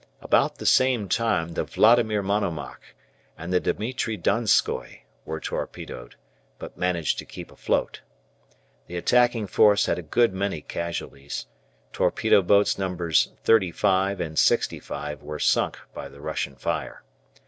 About the same time the "Vladimir Monomach" and the "Dimitri Donskoi" were torpedoed, but managed to keep afloat. The attacking force had a good many casualties. Torpedo boats Nos. 35 and 65 were sunk by the Russian fire.